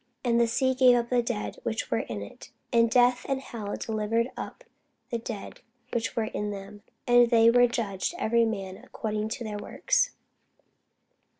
And the sea gave up the dead which were in it; and death and hell delivered up the dead which were in them: and they were judged every man according to their works.